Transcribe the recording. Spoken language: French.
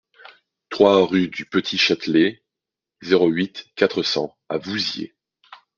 trois rue du Petit Châtelet, zéro huit, quatre cents à Vouziers